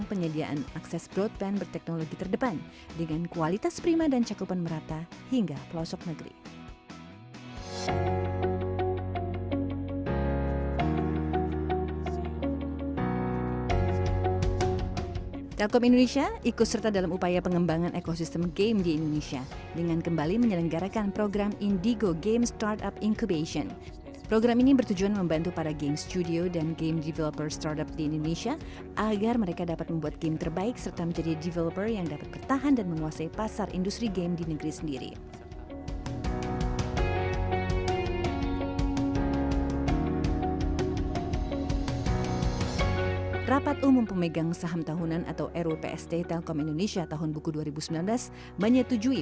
webinar ini menghadirkan para ahli di bidangnya untuk memberikan tips dan triks kepada pelaku umkm untuk tetap bertahan di tengah keterpurukan ekonomi